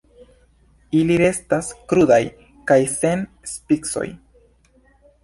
Ili restas krudaj kaj sen spicoj.